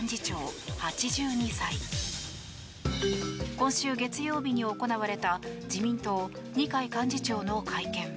今週月曜日に行われた自民党・二階幹事長の会見。